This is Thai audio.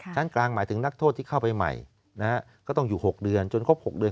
ชั้นกลางหมายถึงนักโทษที่เข้าไปใหม่นะฮะก็ต้องอยู่๖เดือนจนครบ๖เดือน